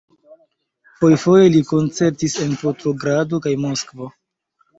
Fojfoje li koncertis en Petrogrado kaj Moskvo.